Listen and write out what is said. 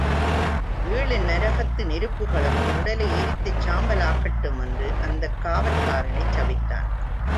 ஏழு நரகத்து நெருப்புகளும் உன் உடலை எரித்துச் சாம்பலாக்கட்டும்! என்று அந்தக் காவற்காரனைச் சபித்தான்!